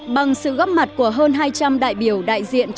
bằng sự góp mặt của hơn hai trăm linh đại biểu đại diện